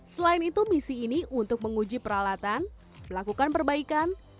selain itu misi ini untuk menguji peralatan melakukan perbaikan